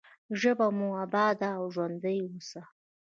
ژبه مو اباده او ژوندۍ اوسه.